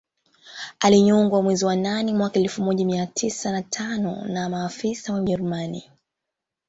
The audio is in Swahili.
Alinyongwa mwezi wa nane mwaka elfu moja mia tisa tano na maafisa wa Ujerumani